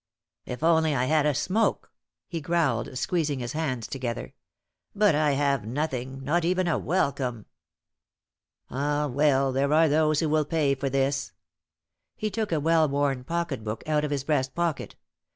"If I only had a smoke!" he growled, squeezing his hands together. "But I have nothing, not even a welcome. Ah, well, there are those who will pay for this!" He took a well worn pocket book out of his breast pocket.